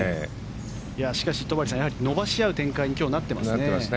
しかし、戸張さん伸ばし合う展開に今日はなっていますね。